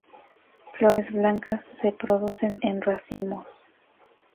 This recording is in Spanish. Flores blancas se producen en racimos.